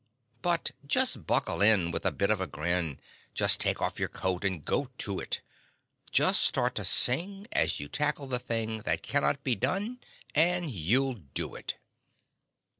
But just buckle in with a bit of a grin, Just take off your coat and go to it; Just start to sing as you tackle the thing That "cannot be done," and you'll do it.